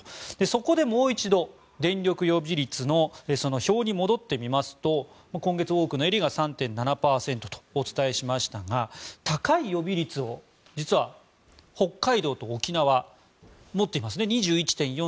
そこでもう一度電力予備率の表に戻ってみますと今月、多くのエリアが３．７％とお伝えしましたが高い予備率を北海道と沖縄は持っていますね。